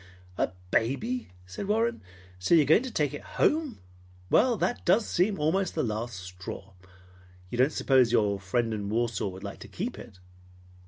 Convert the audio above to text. "A baby!" said Warren. "So you are going to take it home! Well, that does seem almost the last straw! You don't suppose your friend in Warsaw would like to keep it?"